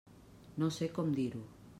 No sé com dir-ho.